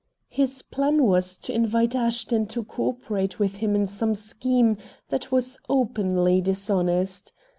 His plan was to invite Ashton to co operate with him in some scheme that was openly dishonest.